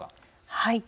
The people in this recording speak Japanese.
はい。